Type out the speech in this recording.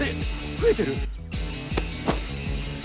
ふえてる！